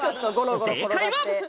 正解は。